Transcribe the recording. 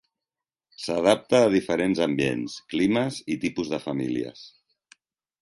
S'adapta a diferents ambients, climes i tipus de famílies.